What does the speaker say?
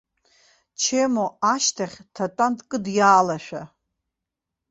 Чемо ашьҭахь дҭатәан дкыдиаалашәа.